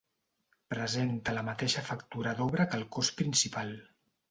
Presenta la mateixa factura d'obra que el cos principal.